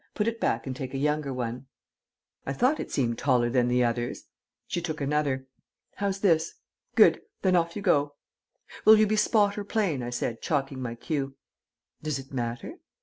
Put it back and take a younger one." "I thought it seemed taller than the others." She took another. "How's this? Good. Then off you go." "Will you be spot or plain?" I said, chalking my cue. "Does it matter?"